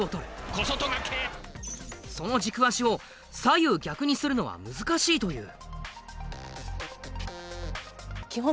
その軸足を左右逆にするのは難しいという。